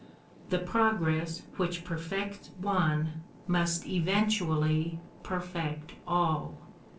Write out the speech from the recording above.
The progress which perfects one must eventually perfect all.